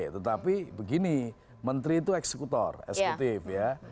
tetapi begini menteri itu eksekutor eksekutif ya